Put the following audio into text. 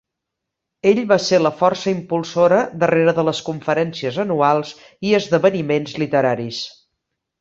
Ell va ser la força impulsora darrere de les conferències anuals i esdeveniments literaris.